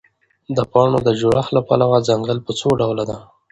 د پاڼو د جوړښت له پلوه ځنګل په څوډوله دی؟